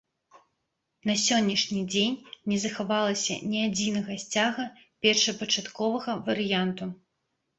На сённяшні дзень не захавалася ні адзінага сцяга першапачатковага варыянту.